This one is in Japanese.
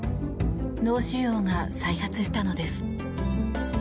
脳腫瘍が再発したのです。